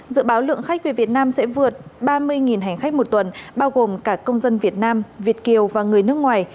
dự báo lượng khách về việt nam sẽ vượt ba mươi hành khách một tuần bao gồm cả công dân việt nam việt kiều và người nước ngoài